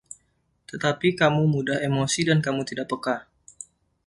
Tetapi kamu mudah emosi dan kamu tidak peka.